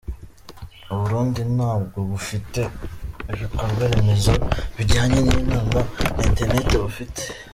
U Burundi ntabwo bufite ibikorwa remezo bijyanye n’inama na internet bufite.